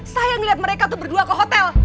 saya ngeliat mereka tuh berdua ke hotel